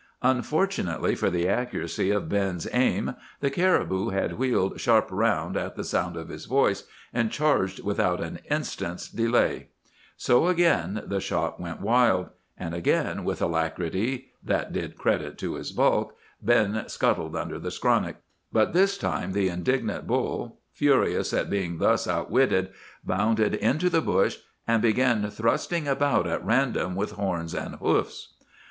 "Unfortunately for the accuracy of Ben's aim, the caribou had wheeled sharp round at the sound of his voice, and charged without an instant's delay; so again the shot went wide. And again, with alacrity that did credit to his bulk, Ben scuttled under the skronnick. "But this time the indignant bull, furious at being thus outwitted, bounded into the bush, and began thrusting about at random with horns and hoofs.